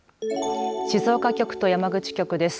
静岡局と山口局です。